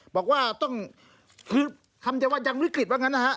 บอกว่าต้องคือคำเดียวว่ายังวิกฤตว่างั้นนะฮะ